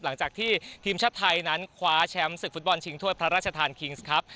หลังจากที่ทีมชาติไทยนั้นคว้าแชมป์ศึกฟุตบอลชิงถ้วยพระราชทานคิงส์ครับ